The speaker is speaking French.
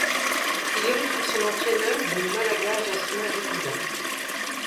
Il y retrouve son entraîneur de Malaga Jasmin Repeša.